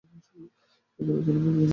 এগুলো Geneva, Vienna ও নাইরোবিতে অবস্থিত।